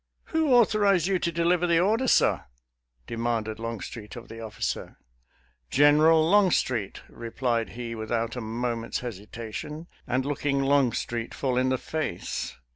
" Who au thorized you to deliver the order, sir? " demanded Longstreet of the officer. " General Longstreet," replied he without a moment's hesitation, and looking Longstreet full in the face.